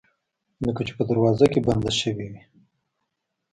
لکه چې په دروازه کې بنده شوې وي